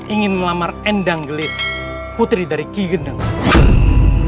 ingin melamar endang gelis putri dari kigeneng